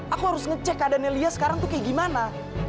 aku harus ngecek keadaannya lia sekarang tuh kayak gimana